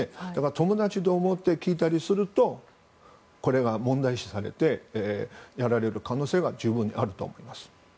友達と思って聞いたりするとこれが問題視されてやられる可能性は十分にあると思います。